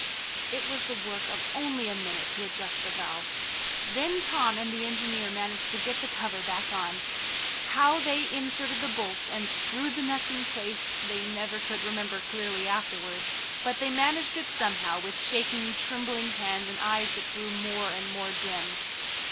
It was the work of only a minute to adjust the valve. Then Tom and the engineer managed to get the cover back on. How they inserted the bolts and screwed the nuts in place they never could remember clearly afterward, but they managed it somehow, with shaking, trembling hands and eyes that grew more and more dim.